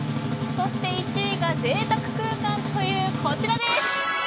そして１位がぜいたくな空間というこちらです。